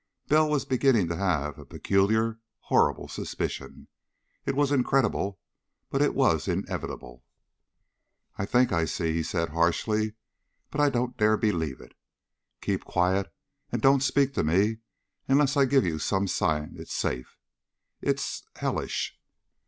Bell was beginning to have a peculiar, horrible suspicion. It was incredible, but it was inevitable. "I think I see," he said harshly. "But I don't dare believe it. Keep quiet and don't speak to me unless I give you some sign it's safe! It's hellish!"